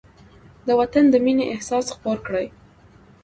د وطن د مینې احساس خپور کړئ.